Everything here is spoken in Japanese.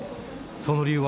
その理由は？